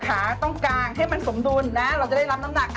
ขาต้องกางให้มันสมดุลนะเราจะได้รับน้ำหนัก